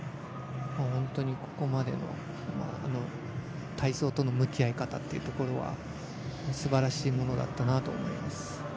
本当にここまでの体操との向き合い方というところはすばらしいものだったなと思います。